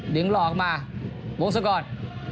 ดึงรอกคอห์มามุกด้วยก็มุกสุดก่อน